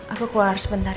aku keluar sebentar ya